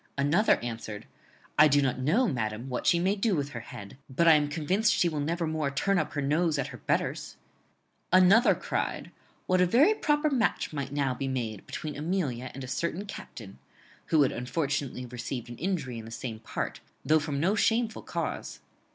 Another answered, 'I do not know, madam, what she may do with her head, but I am convinced she will never more turn up her nose at her betters.' Another cried, 'What a very proper match might now be made between Amelia and a certain captain,' who had unfortunately received an injury in the same part, though from no shameful cause.